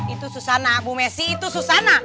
itu susana bu messi itu susana